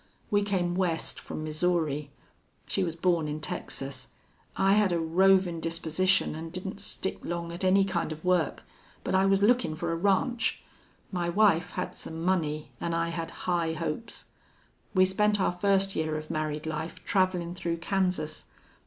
We came West from Missouri. She was born in Texas. I had a rovin' disposition an' didn't stick long at any kind of work. But I was lookin' for a ranch. My wife had some money an' I had high hopes. We spent our first year of married life travelin' through Kansas.